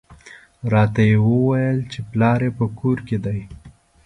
راته یې وویل چې پلار یې په کور کې دی.